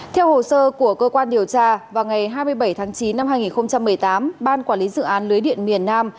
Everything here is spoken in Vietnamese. theo hồ sơ của cơ quan điều tra vào ngày hai mươi bảy tháng chín năm hai nghìn một mươi tám ban quản lý dự án lưới điện miền nam